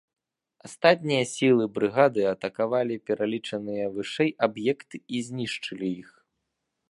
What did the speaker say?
Астатнія сілы брыгады атакавалі пералічаныя вышэй аб'екты і знішчылі іх.